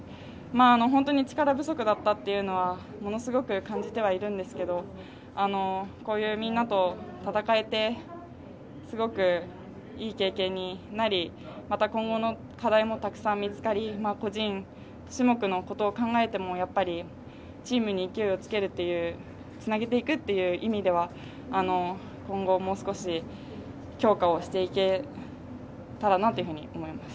本当に力不足だったというのはものすごく感じてはいるんですけどみんなと戦えてすごくいい経験になりまた、今後の課題もたくさん見つかり個人種目のことを考えてもやっぱりチームに勢いをつけるつなげていくという意味では今後もう少し、強化をしていけたらなと思います。